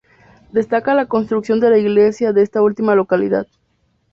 Destaca la construcción de la iglesia de esta última localidad.